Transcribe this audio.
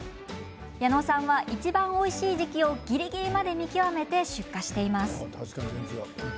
矢野さんはいちばんおいしい時期をぎりぎりまで見極めて出荷しています。